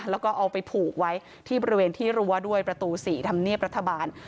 แล้วก็เอาไปผูกไว้ที่บริเวณที่รั้วด้วยประตู๔ธรรมเนียบรัฐบาล